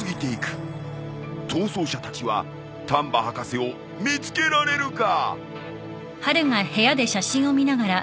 逃走者たちは丹波博士を見つけられるか！？